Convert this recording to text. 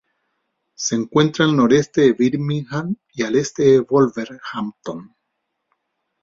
Se encuentra al noroeste de Birmingham y al este de Wolverhampton.